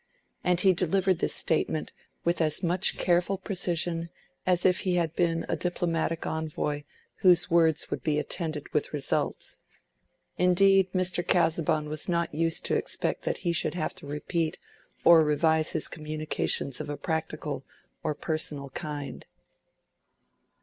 And he delivered this statement with as much careful precision as if he had been a diplomatic envoy whose words would be attended with results. Indeed, Mr. Casaubon was not used to expect that he should have to repeat or revise his communications of a practical or personal kind.